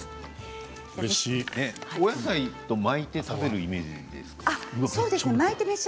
お野菜で巻いて食べるようなイメージですか？